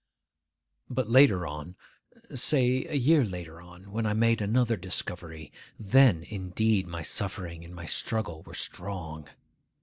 But later on,—say, a year later on,—when I made another discovery, then indeed my suffering and my struggle were strong.